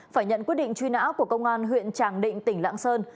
phải nhận quyết định truy nã của công an huyện tràng định tỉnh lạng sơn